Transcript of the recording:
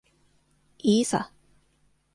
いいさ。